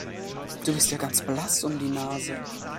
Du bist ja ganz blass um die Nase.